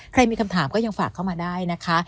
มีคำถามก็ยังฝากเข้ามาได้นะคะ